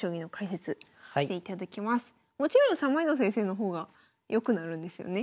もちろん三枚堂先生の方が良くなるんですよね？